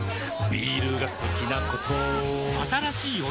ビールが好きなことあぁーっ！